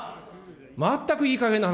全くいいかげんな話。